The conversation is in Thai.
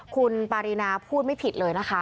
คุณปารีนาพูดไม่ผิดเลยนะคะ